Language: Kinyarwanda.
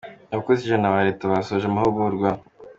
Abakozi ijana ba leta basoje amahugurwa